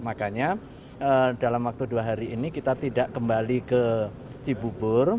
makanya dalam waktu dua hari ini kita tidak kembali ke cibubur